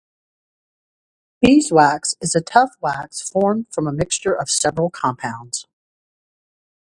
Beeswax is a tough wax formed from a mixture of several compounds.